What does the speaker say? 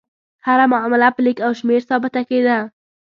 هره معامله په لیک او شمېر ثابته کېده.